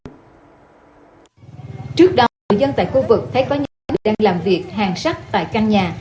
trước đó người dân tại khu vực thấy có những người đang làm việc hàng sách tại căn nhà